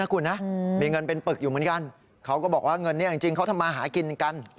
เขาก็บอกว่าเงินนี้จริงเขาทำมาหากินกัน